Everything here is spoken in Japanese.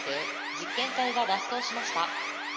実験体が脱走しました。